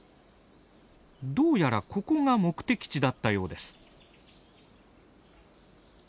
どうやらここが目的地だったようです。